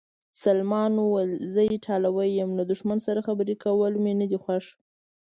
سلمان وویل: زه ایټالوی یم، له دښمن سره خبرې کول مې نه دي خوښ.